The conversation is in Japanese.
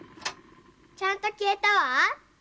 ちゃんときえたわ。